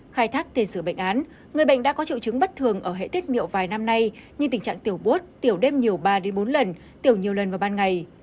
khai thác tiền sửa bệnh án người bệnh đã có triệu chứng bất thường ở hệ tiết miệng vài năm nay như tình trạng tiểu bút tiểu đêm nhiều ba bốn lần tiểu nhiều lần vào ban ngày